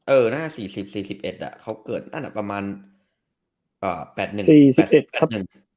เออน่า๔๐๔๑เขาเกิดประมาณ๔๑ครับ